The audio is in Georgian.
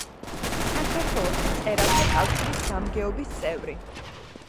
საქართველოს მწერალთა კავშირის გამგეობის წევრი.